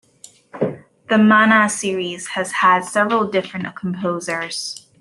The "Mana" series has had several different composers.